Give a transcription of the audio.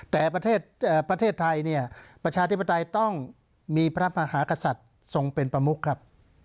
แต่ประเทศไทยเนี่ยประชาธิปไตยต้องมีพระมหากษัตริย์ทรงเป็นประมุกครับ